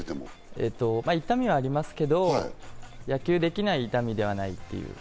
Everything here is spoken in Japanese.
痛みはありますけど野球をできない痛みではない。